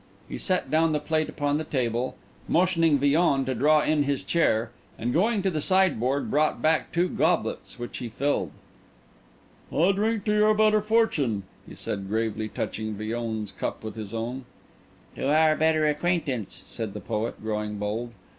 He set down the plate upon the table, motioning Villon to draw in his chair, and going to the sideboard, brought back two goblets, which he filled. "I drink to your better fortune," he said, gravely touching Villon's cup with his own. "To our better acquaintance," said the poet, growing bold.